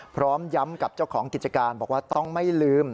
พร้อมย้ำกับเจ้าของกิจการบอกว่าต้องไม่ลืม